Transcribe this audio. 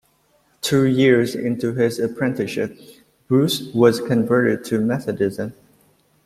Two years into his apprenticeship Booth was converted to Methodism.